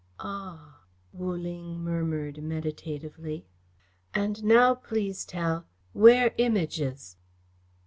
"Ah!" Wu Ling murmured meditatively. "And now please tell, where Images?"